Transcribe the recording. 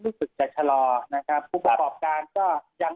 รู้สึกจะชะลอนะครับผู้ประกอบการก็ยัง